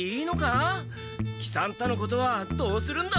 喜三太のことはどうするんだ？